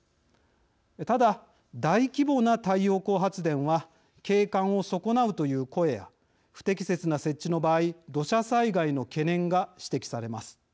ただ、大規模な太陽光発電は景観を損なうという声や不適切な設置の場合土砂災害の懸念が指摘されます。